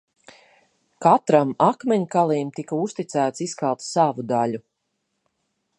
Katram akmeņkalim tika uzticēts izkalt savu daļu.